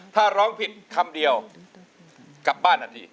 ถ้าร้องผิดคำเดียวกลับบ้านทันที